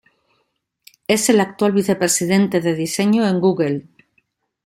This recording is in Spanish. Es el actual vicepresidente de diseño en Google.